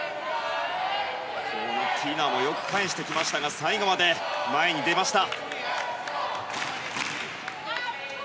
ティナもよく打ち返してきましたが最後まで前に出ました。